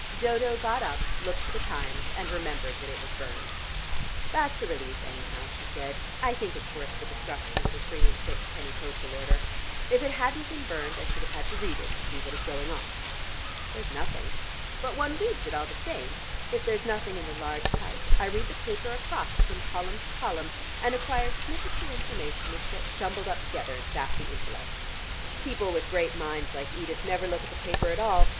Dodo got up, looked for the Times, and remembered that it was burned. "That's a relief anyhow," she said. "I think it's worth the destruction of the three and six penny postal order. If it hadn't been burned I should have to read it to see what is going on." "There's nothing." "But one reads it all the same. If there's nothing in the large type, I read the paper across from column to column, and acquire snippets of information which get jumbled up together and sap the intellect. People with great minds like Edith never look at the paper at all.